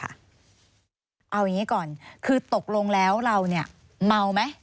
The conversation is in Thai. เอาอย่างนี้ก่อนคือตกลงแล้วเราเนี่ยเมาไหม